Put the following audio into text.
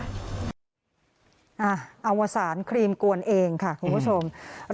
อวสารครีมกวนเองค่ะคุณผู้ชม